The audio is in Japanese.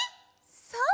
そう！